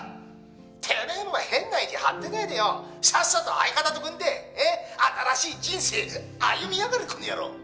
てめえも変な意地張ってねえでよさっさと相方と組んで新しい人生歩みやがれこの野郎！」